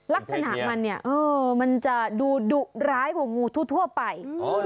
ลักษณะมันเนี่ยมันจะดูดุร้ายกว่างูทั่วไป